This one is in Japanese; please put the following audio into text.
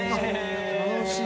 楽しい。